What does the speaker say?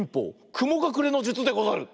くもがくれのじゅつでござる！